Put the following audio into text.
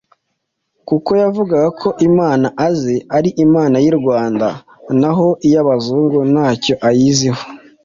kuko yavugaga ko Imana azi ari Imana y’i Rwanda naho iy’abazungu ntacyo ayiziho.